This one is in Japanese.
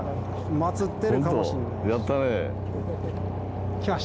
まつってるかもしれないし。